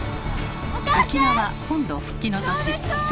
沖縄本土復帰の年